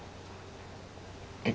えっ